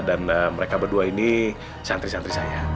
dan mereka berdua ini santri santri saya